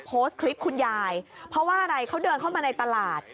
โพสต์คลิปคุณยายเพราะว่าอะไรเขาเดินเข้ามาในตลาด